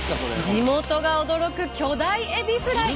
地元が驚く巨大エビフライ。